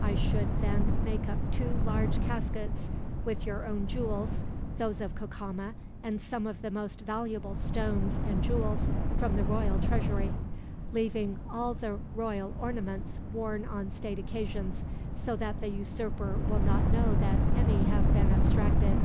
I should then make up two large caskets with your own jewels, those of Cacama, and some of the most valuable stones and jewels from the royal treasury leaving all the royal ornaments worn on state occasions, so that the usurper will not know that any have been abstracted."